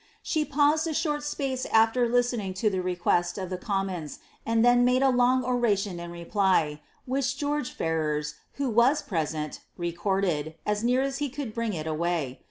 She paused a short spare after listening to the request of the com mons, and then made a long oration in reply ; which George Ferrers, vho was present, recorded, as near as he could bring it awuy.